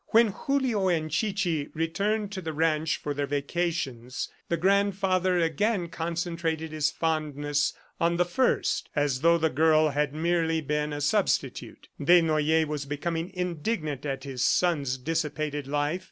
When Julio and Chichi returned to the ranch for their vacations, the grandfather again concentrated his fondness on the first, as though the girl had merely been a substitute. Desnoyers was becoming indignant at his son's dissipated life.